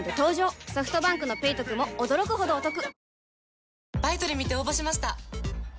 ソフトバンクの「ペイトク」も驚くほどおトク